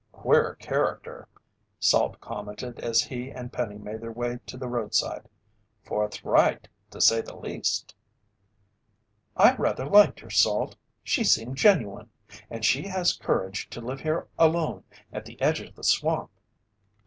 "Queer character," Salt commented as he and Penny made their way to the roadside, "Forthright to say the least." "I rather liked her, Salt. She seemed genuine. And she has courage to live here alone at the edge of the swamp."